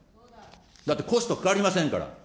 だってコストかかりませんから。